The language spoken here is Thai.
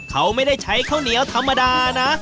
เขาไม่ได้ใช้ข้าวเหนียวธรรมดานะ